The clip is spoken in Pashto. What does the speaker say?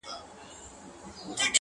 • چي شاگرد وي چي مکتب چي معلمان وي -